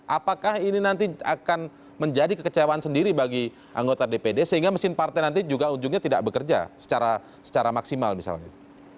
apakah ini nanti akan menjadi kekecewaan sendiri bagi anggota dpd sehingga mesin partai nanti juga ujungnya tidak bekerja secara maksimal misalnya